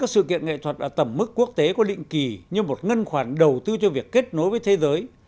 sự kiện nghệ thuật ở tầm mức quốc tế có định kỳ như một ngân khoản đầu tư cho việc kết nối với thế giới